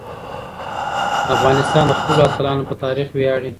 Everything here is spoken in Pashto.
افغانستان د خپلو اتلانو په تاریخ ویاړي.